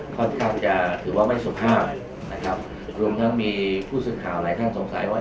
ค่อนข้างจะถือว่าไม่สุภาพนะครับรวมทั้งมีผู้สื่อข่าวหลายท่านสงสัยว่า